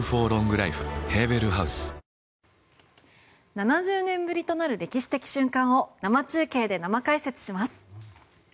７０年ぶりとなる歴史的瞬間を生中継で生解説します。